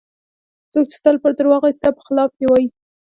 څوک چې ستا لپاره دروغ وایي ستا په خلاف یې وایي.